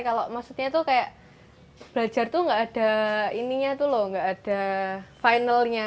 kalau maksudnya tuh kayak belajar tuh gak ada ininya tuh loh nggak ada finalnya